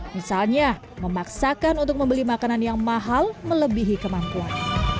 misalnya memaksakan untuk membeli makanan yang mahal melebihi kemampuan